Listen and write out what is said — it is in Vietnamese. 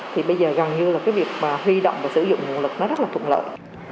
thì bây giờ gần như là cái việc mà huy động và sử dụng nguồn lực nó rất là thuận lợi